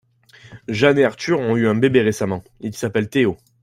Jeanne et Arthur ont eu un bébé récemment, il s'appelle Théo.